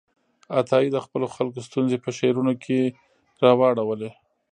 عطايي د خپلو خلکو ستونزې په شعرونو کې راواړولې.